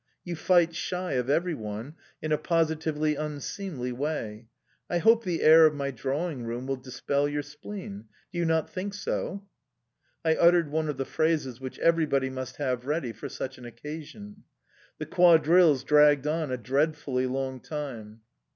You fight shy of everyone in a positively unseemly way. I hope the air of my drawingroom will dispel your spleen... Do you not think so?" I uttered one of the phrases which everybody must have ready for such an occasion. The quadrilles dragged on a dreadfully long time.